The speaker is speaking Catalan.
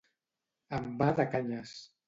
Envà de canyes.